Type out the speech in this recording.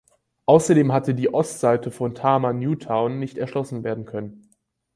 Außerdem hätte die Ostseite von Tama New Town nicht erschlossen werden können.